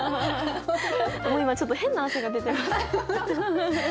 もう今ちょっと変な汗が出てます。